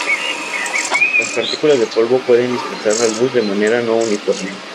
Las partículas de polvo pueden dispersar la luz de manera no uniforme.